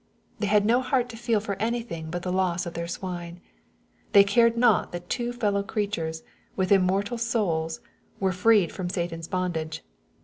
'' They had no heart to feel for anything but the loss of their swine. They cared not that two fellow creatures, with immortal souls, were freed from Satan's bondage.